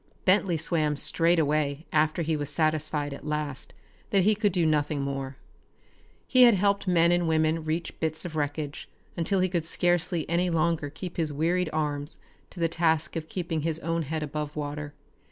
Bentley swam straight away after he was satisfied at last that he could do nothing more. He had helped men and women reach bits of wreckage until he could scarcely any longer keep his wearied arms to the task of keeping his own head above water.